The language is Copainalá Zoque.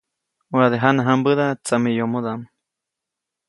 Waʼade jana jãmbäda tsameyomodaʼm.